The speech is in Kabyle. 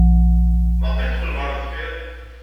Maɣef ay teqqlem ɣer deffir?